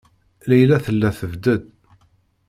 Layla tella tebded.